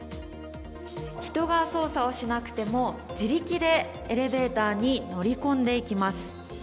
人が操作をしなくても自力でエレベーターに乗り込んでいきます。